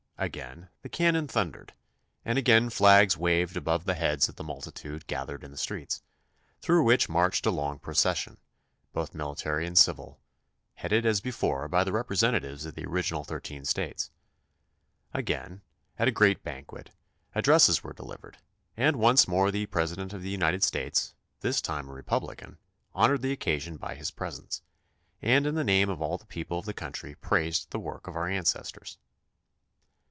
Again the cannon thundered and again flags waved above the heads of the multi tude gathered in the streets, through which marched a long procession, both military and civil, headed as before by the representatives of the original thirteen States. Again, at a great banquet, addresses were delivered, and once more the President of the United States, this time a Republican, honored the occasion by his presence, and in the name of all the people of the country praised the work of our ancestors.